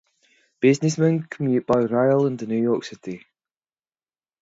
Businessmen could commute by rail into New York City.